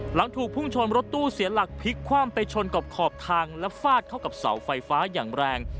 หลังถูกพุ่งชนรถตู้เสียหลักพลิกคว่ำไปชนกับขอบทางและฟาดเข้ากับเสาไฟฟ้าอย่างแรง